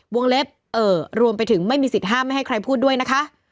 วงเล็บรวมไปถึงไม่มีสิทธิห้ามไม่ให้ใครพูดด้วยนะคะ